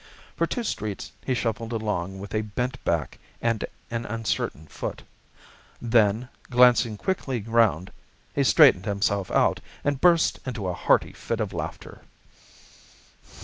For two streets he shuffled along with a bent back and an uncertain foot. Then, glancing quickly round, he straightened himself out and burst into a hearty fit of laughter.